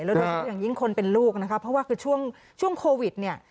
โดยเฉพาะอย่างยิ่งคนเป็นลูกนะคะเพราะว่าคือช่วงโควิดเนี่ย